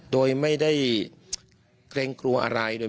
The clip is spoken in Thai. โดยไม่ได้เกรงกลัวอะไรโดยมีความมั่นใจ